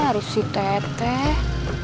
eh harus si teteh